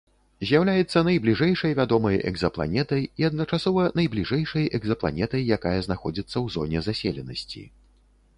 З'яўляецца найбліжэйшай вядомай экзапланетай і адначасова найбліжэйшай экзапланетай, якая знаходзіцца ў зоне заселенасці.